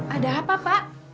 ada apa pak